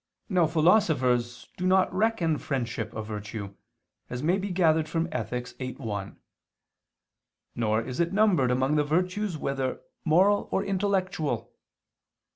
Now philosophers do not reckon friendship a virtue, as may be gathered from Ethic. viii, 1; nor is it numbered among the virtues whether moral or intellectual.